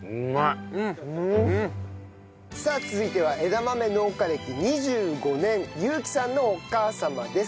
さあ続いては枝豆農家歴２５年優希さんのお母様です。